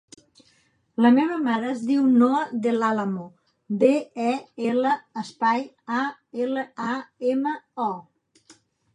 La meva mare es diu Noha Del Alamo: de, e, ela, espai, a, ela, a, ema, o.